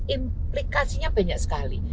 implikasinya banyak sekali